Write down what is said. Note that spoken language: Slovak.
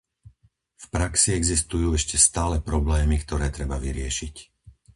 V praxi existujú ešte stále problémy, ktoré treba vyriešiť.